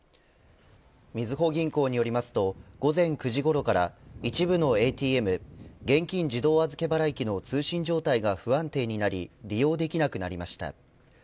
みずほ銀行によりますと午前９時ごろから一部のＡＴＭ現金自動預払機の通信状態が不安定になり利用できなくなりました。